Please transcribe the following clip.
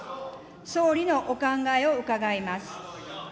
総理のお考えを伺います。